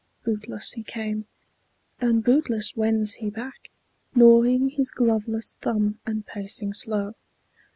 Bootless he came, and bootless wends he back, Gnawing his gloveless thumb, and pacing slow.